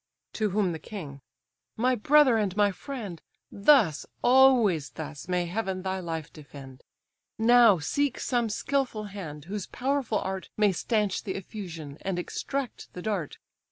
To whom the king: "My brother and my friend, Thus, always thus, may Heaven thy life defend! Now seek some skilful hand, whose powerful art May stanch the effusion, and extract the dart.